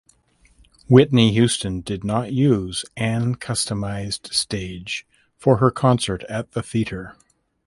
Whitney Houston did not use an customized stage for her concert at the theater.